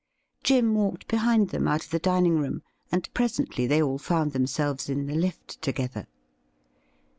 Jim walked behind them out of the dining room, and presently they all found themselves in the lift together.